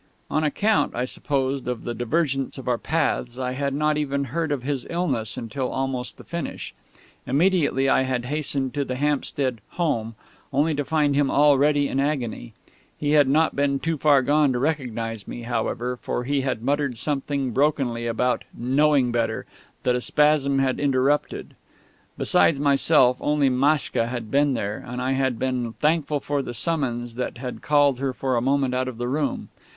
On account, I suppose, of the divergence of our paths, I had not even heard of his illness until almost the finish. Immediately I had hastened to the Hampstead "Home," only to find him already in the agony. He had not been too far gone to recognise me, however, for he had muttered something brokenly about "knowing better," that a spasm had interrupted. Besides myself, only Maschka had been there; and I had been thankful for the summons that had called her for a moment out of the room.